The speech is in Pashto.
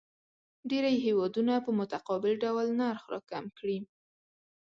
ډېری هیوادونه په متقابل ډول نرخ راکم کړي.